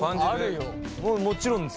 もちろんですよ。